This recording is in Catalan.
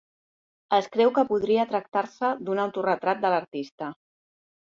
Es creu que podria tractar-se d'un autoretrat de l'artista.